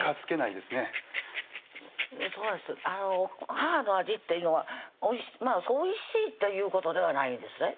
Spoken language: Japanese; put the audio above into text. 母の味っていうのはおいしいということではないんですね